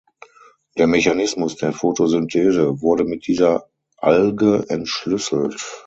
Der Mechanismus der Photosynthese wurde mit dieser Alge entschlüsselt.